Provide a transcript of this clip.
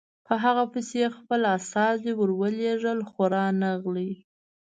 په هغه پسې یې خپل استازي ورولېږل خو رانغی.